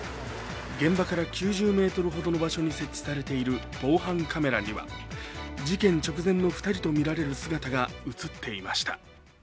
現場から９０ｍほどの場所に設置されている防犯カメラには事件直前の２人とみられる姿が映っていました。